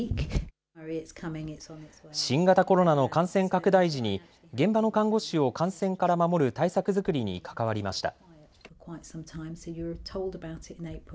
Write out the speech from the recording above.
新型コロナの感染拡大時に現場の看護師を感染から守る対策作りに関わりました。